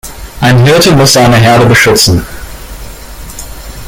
Ein Hirte muss seine Herde beschützen.